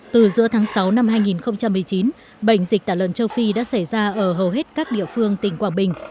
từ giữa tháng sáu năm hai nghìn một mươi chín bệnh dịch tả lợn châu phi đã xảy ra ở hầu hết các địa phương tỉnh quảng bình